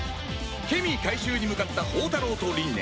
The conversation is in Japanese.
ケミー回収に向かった宝太郎とりんね